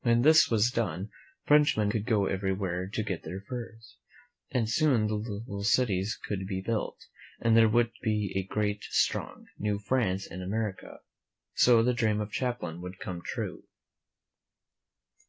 When this was done. Frenchmen could go everywhere to get furs, and soon little cities could be built, and there would be a great, strong. New France in America. So the dream of Champlain would come true.